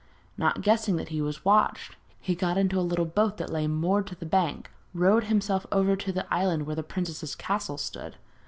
Not guessing that he was watched, he got into a little boat that lay moored to the bank, rowed himself over to the island where the princess's castle stood.